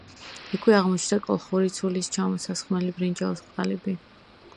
იქვე აღმოჩნდა კოლხური ცულის ჩამოსასხმელი ბრინჯაოს ყალიბი.